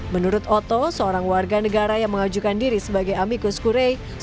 menurut oto seorang warga negara yang mengajukan diri sebagai amicus curai